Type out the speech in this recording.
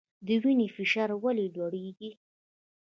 د وینې فشار ولې لوړیږي؟